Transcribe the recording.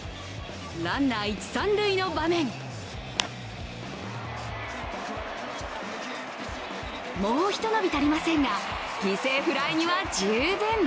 ランナー、一・三塁の場面もうひと伸び足りませんが、犠牲フライには十分。